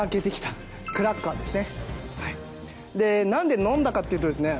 で何で飲んだかっていうとですね。